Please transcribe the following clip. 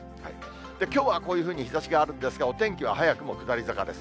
きょうはこういうふうに日ざしがあるんですが、お天気は早くも下り坂です。